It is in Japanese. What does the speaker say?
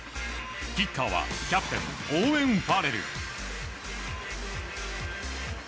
キッカーは、キャプテンオーウェン・ファレル。